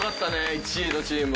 １位のチームは。